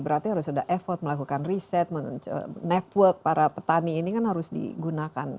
berarti harus ada effort melakukan riset network para petani ini kan harus digunakan